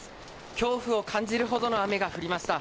恐怖を感じるほどの雨が降りました。